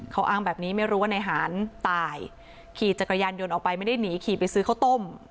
เขาอ้างแบบนี้ไม่รู้ว่านายหารตายขี่จักรยานยนต์ออกไปไม่ได้หนีขี่ไปซื้อข้าวต้ม